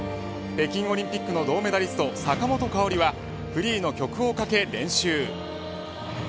北京オリンピックの銅メダリスト坂本花織はフリーの曲をかけ練習。